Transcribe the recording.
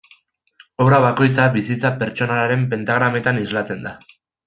Obra bakoitza bizitza pertsonalaren pentagrametan islatzen da.